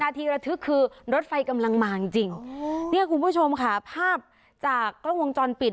ทีระทึกคือรถไฟกำลังมาจริงจริงเนี่ยคุณผู้ชมค่ะภาพจากกล้องวงจรปิด